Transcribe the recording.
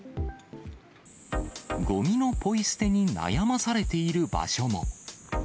ごみのぽい捨てに悩まされている場所も。